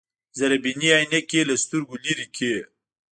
ذره بيني عينکې يې له سترګو لرې کړې.